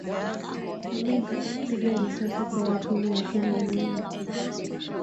Amin akampiga risasi kwa mikono yake mwenyewe